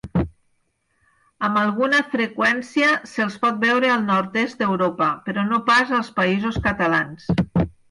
Amb alguna freqüència se'ls pot veure al nord-est d'Europa, però no pas als Països Catalans.